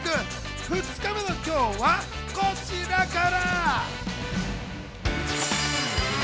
２日目の今日はこちらから。